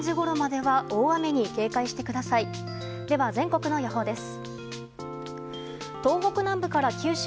では全国の予報です。